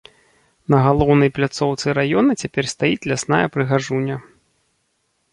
На галоўнай пляцоўцы раёна цяпер стаіць лясная прыгажуня.